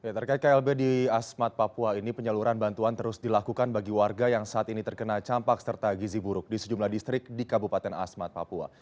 terkait klb di asmat papua ini penyaluran bantuan terus dilakukan bagi warga yang saat ini terkena campak serta gizi buruk di sejumlah distrik di kabupaten asmat papua